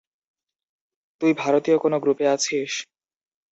তুই ভারতীয় কোনো গ্রুপে আছিস?